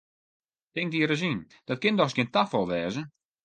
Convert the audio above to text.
Tink dy ris yn, dat kin dochs gjin tafal wêze!